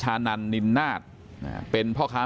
ท่านดูเหตุการณ์ก่อนนะครับ